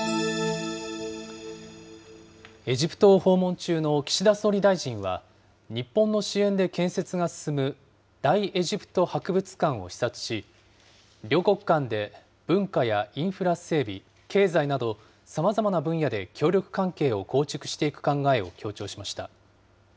エジプトを訪問中の岸田総理大臣は、日本の支援で建設が進む大エジプト博物館を視察し、両国間で文化やインフラ整備、経済など、さまざまな分野で協力関係を構築していく考えを強調しました。